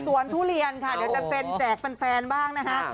ทุเรียนค่ะเดี๋ยวจะเซ็นแจกแฟนบ้างนะคะ